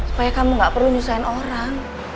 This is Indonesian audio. supaya kamu gak perlu nyusahin orang